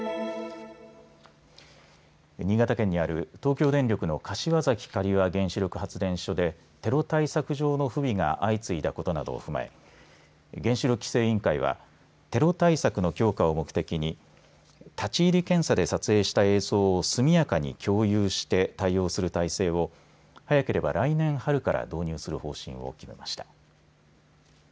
新潟県にある東京電力の柏崎刈羽原子力発電所でテロ対策上の不備が相次いだことなどを踏まえ原子炉規制委員会はテロ対策の強化を目的に立ち入り検査で撮影した映像を速やかに共有して対応する態勢を早ければ来年春から導入する方針を決めました。